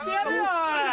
おい。